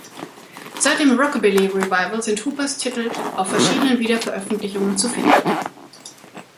Seit dem Rockabilly-Revival sind Hoopers Titel auf verschiedenen Wiederveröffentlichungen zu finden.